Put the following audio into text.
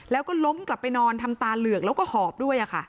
แล้วก็ล้มกลับไปนอนทำตาเหลือกแล้วก็หอบด้วย